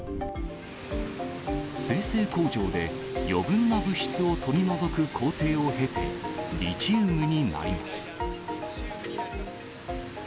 精製工場で余分な物質を取り除く工程を経て、リチウムになります。